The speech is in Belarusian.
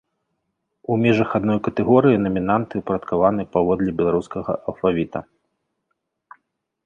У межах адной катэгорыі намінанты ўпарадкаваны паводле беларускага алфавіта.